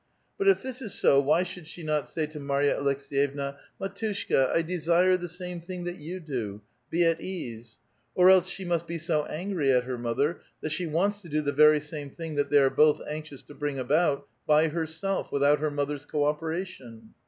But, if this is so, why srhould she not say to IMarya Aleks6 yevna, Mdtualika^ I desire the same thing that 3'ou do; be at ease "? or else shi? must be so angry at her mother, that she wants to do the very same thing that thoy are both anxious to bring about, by iierself, without her mother's co operation.